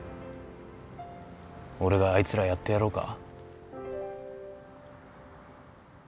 俺があいつらやってやろうか？